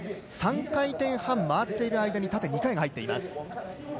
３回転半回っている間に縦２回が入っています。